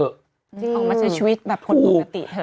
เอามาใช้ชีวิตแบบคนปกติเถอะ